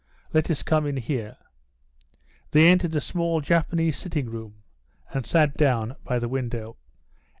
"Let us come in here." They entered a small Japanese sitting room, and sat down by the window.